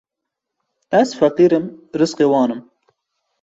Ez feqîr im rizqê wan im